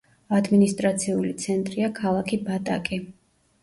ადმინისტრაციული ცენტრია ქალაქი ბატაკი.